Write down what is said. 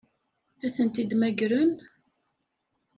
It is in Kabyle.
Ad tent-id-mmagren?